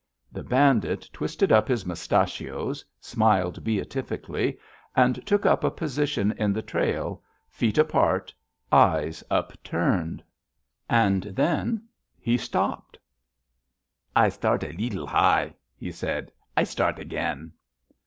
The bandit twisted up his mustachios, smiled beatifically, and took up a position in the trail, feet apart, eyes upturned. And then he stopped. "I start a leetle high," he said; "I start again."